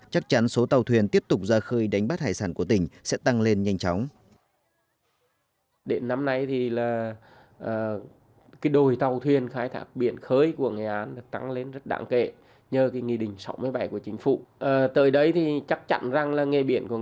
chắc chắn số tàu thuyền tiếp tục ra khơi đánh bắt hải sản của tỉnh sẽ tăng lên nhanh chóng